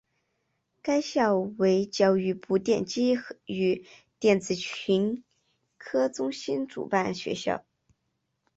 该校为教育部电机与电子群科中心主办学校。